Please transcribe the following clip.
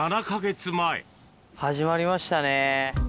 始まりましたね。